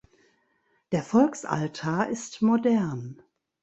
Der Volksaltar ist modern.